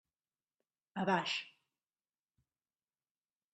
A baix.